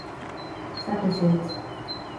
Sakaseits.